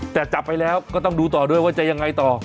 แต่จับไปแล้วก็ต้องดูต่อด้วยว่าจะยังไงต่อ